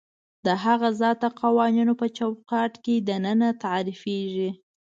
د هغه ذات د قوانینو په چوکاټ کې دننه تعریفېږي.